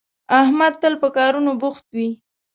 احمد تل په کارونو بوخت وي